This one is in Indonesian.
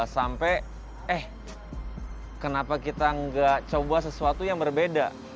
sampai eh kenapa kita nggak coba sesuatu yang berbeda